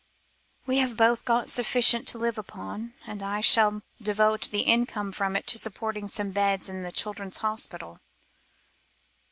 "We have both got sufficient to live upon, and I shall devote the income from it to supporting some beds in a children's hospital."